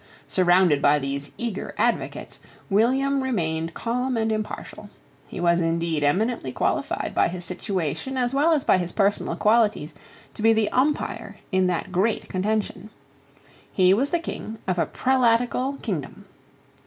Surrounded by these eager advocates, William remained calm and impartial. He was indeed eminently qualified by his situation as well as by his personal qualities to be the umpire in that great contention. He was the King of a prelatical kingdom.